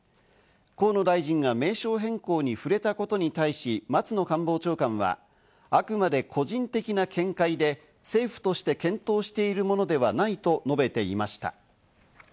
河野大臣が名称変更に触れたことに対し、松野官房長官は、あくまで個人的な見解で、政府として検討しているものではないと述べていました。